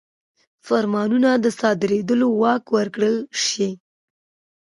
فرمانونو د صادرولو واک ورکړل شي.